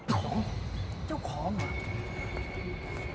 ของเจ้าของเหรอ